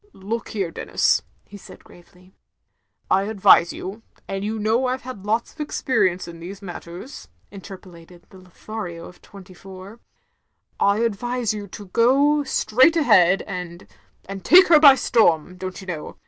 "Look here, Denis, —*' he said gravely, "I advise you — ^and you know I 've had lots of ex perience in these matters," interpolated the Lothario of twenty four, "I advise you to go straight ahead and — ^and take her by storm, don't you know.